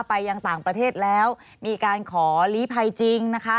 ไปยังต่างประเทศแล้วมีการขอลีภัยจริงนะคะ